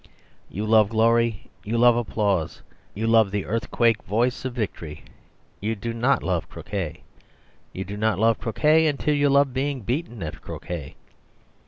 You love glory; you love applause; you love the earthquake voice of victory; you do not love croquet. You do not love croquet until you love being beaten at croquet.